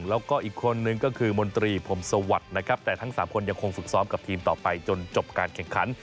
แล้วก็อีกคนนึงก็คือมนตรีพรมสวัสดิ์นะครับแต่ทั้ง๓คนยังคงฝึกซ้อมกับทีมต่อไปจนจบการแข่งขัน